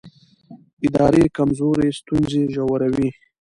اداري کمزوري ستونزې ژوروي